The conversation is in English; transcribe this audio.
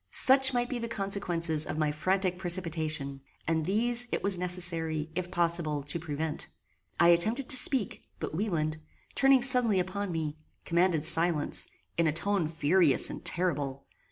Such might be the consequences of my frantic precipitation, and these, it was necessary, if possible, to prevent. I attempted to speak, but Wieland, turning suddenly upon me, commanded silence, in a tone furious and terrible.